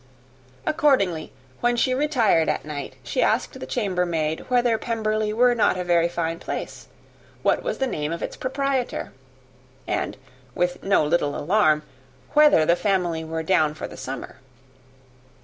Accordingly, when she retired at night, she asked the chambermaid whether Pemberley were not a very fine place, what was the name of its proprietor, and, with no little alarm, whether the family were down for the summer?